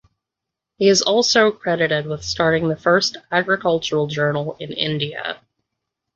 He is also credited with starting the first agricultural journal in India.